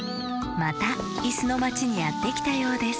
またいすのまちにやってきたようです